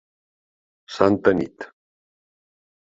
Santa Nit